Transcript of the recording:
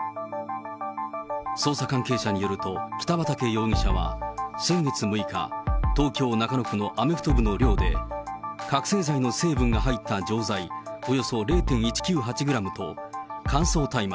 捜査関係者によると、北畠容疑者は先月６日、東京・中野区のアメフト部の寮で、覚醒剤の成分が入った錠剤およそ０．１９８グラムと乾燥大麻